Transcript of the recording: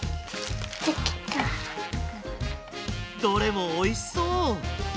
どれもおいしそう！